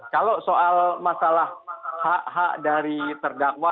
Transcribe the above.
kalau soal masalah hak hak dari terdakwa